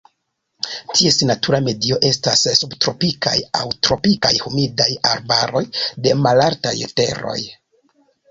Ties natura medio estas subtropikaj aŭ tropikaj humidaj arbaroj de malaltaj teroj.